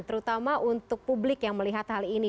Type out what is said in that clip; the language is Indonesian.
terutama untuk publik yang melihat hal ini